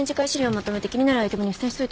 まとめて気になるアイテムに付箋しといたから。